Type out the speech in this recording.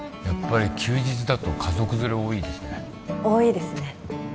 やっぱり休日だと家族連れ多いですね多いですね